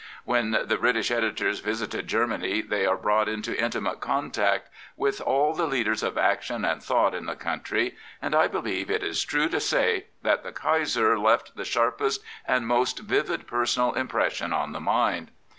When the British editors visited Germany they were brought into intimate contact with all the leaders of action and thought in the country, and I believe it is true to say that the Kaiser left the sharpest and most vivid personal impression on the mind.